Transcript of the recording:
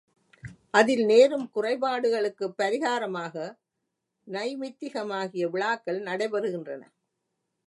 அதில் நேரும் குறைபாடுகளுக்குப் பரிகாரமாக நைமித்திகமாகிய விழாக்கள் நடைபெறுகின்றன.